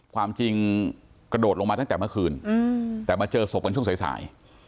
ความจริงกระโดดลงมาตั้งแต่เมื่อคืนแต่มาเจอศพกันช่วงสาย